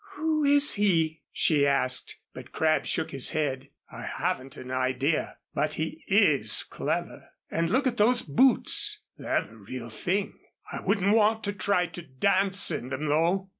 "Who is he?" she asked; but Crabb shook his head. "I haven't an idea but he is clever. And look at those boots they're the real thing. I wouldn't want to try to dance in them, though."